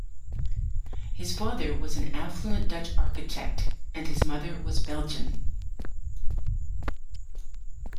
His father was an affluent Dutch architect, and his mother was Belgian.